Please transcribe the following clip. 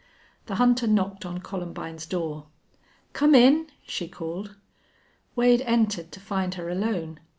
The hunter knocked on Columbine's door. "Come in," she called. Wade entered, to find her alone.